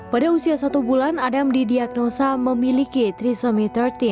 pada usia satu bulan adam didiagnosa memiliki trisomi tiga puluh